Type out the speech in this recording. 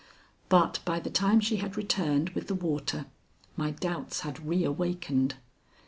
But by the time she had returned with the water, my doubts had reawakened.